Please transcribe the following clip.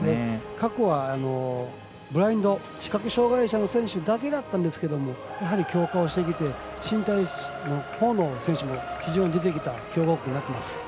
過去は、ブラインド視覚障がい者の選手だけだったんですけどやはり強化をしてきて身体のほうの選手も非常に出てきた強豪国になってます。